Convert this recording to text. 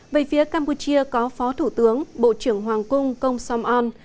về phía campuchia có phó thủ tướng bộ trưởng hoàng cung công som on